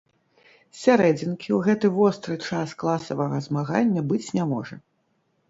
Сярэдзінкі ў гэты востры час класавага змагання быць не можа!